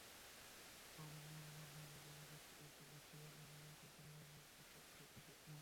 কর্মজীবনে মাধ্যমিক বিদ্যালয়ের শিক্ষক আব্দুল লতিফের অন্য সন্তানেরাও নিজ নিজ ক্ষেত্রে সুপ্রতিষ্ঠিত।